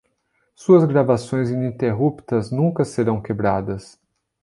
Suas gravações ininterruptas nunca serão quebradas.